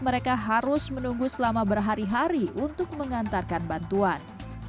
mereka harus menunggu selama berhari hari untuk mengantarkan bantuan